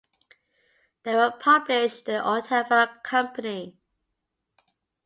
They were published by the Otava company.